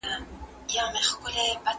کوچیان د خپل هویت ساتنه کوي.